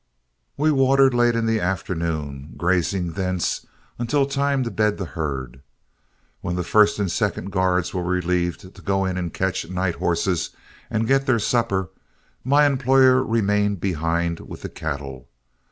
We watered late in the afternoon, grazing thence until time to bed the herd. When the first and second guards were relieved to go in and catch night horses and get their supper, my employer remained behind with the cattle.